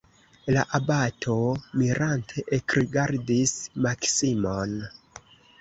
La abato mirante ekrigardis Maksimon.